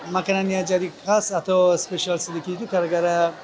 makanannya jadi khas atau spesial sedikit itu karena